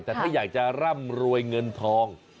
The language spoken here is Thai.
แต่ถ้าอยากจะร่ำรวยเงินทอง